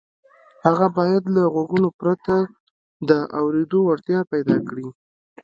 هغه باید له غوږونو پرته د اورېدو وړتیا پیدا کړي